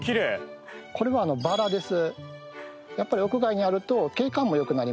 これは、バラです。